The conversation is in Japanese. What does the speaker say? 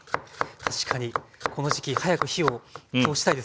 確かにこの時期早く火を通したいですよね。